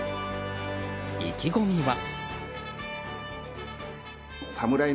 意気込みは。